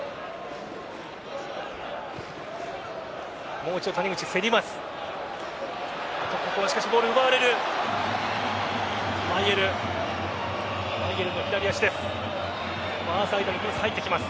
もう一度、谷口競ります。